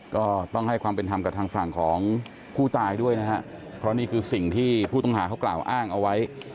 ก็ต้องให้ความเป็นธรรมกับทางฝั่งของผู้ตายด้วยนะฮะเพราะนี่คือสิ่งที่ผู้ต้องหาเขากล่าวอ้างเอาไว้